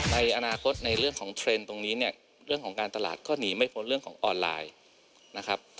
ในอนาคตในเรื่องของเทรนด์ตรงนี้เนี่ยเรื่องของการตลาดก็หนีไม่พ้นเรื่องของออนไลน์นะครับ